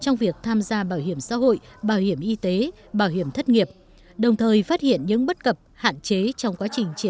ngành bảo hiểm xã hội đặt ra một số giải pháp thực hiện nhiệm vụ chính trị quan trọng cụ thể